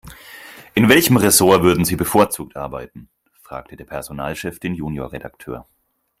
"In welchem Ressort würden Sie bevorzugt arbeiten?", fragte der Personalchef den Junior-Redakteur.